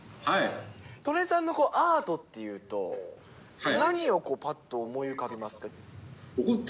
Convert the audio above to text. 戸根さんのアートっていうと、何をぱっと思い浮かべますか。